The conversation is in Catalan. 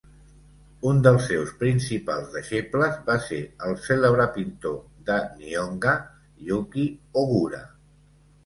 Un dels seus principals deixebles va ser el cèlebre pintor de "Nihonga" Yuki Ogura.